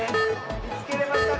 みつけれましたか？